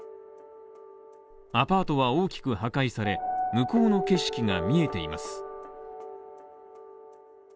アパートは大きく破壊され向こうの景色が見えています。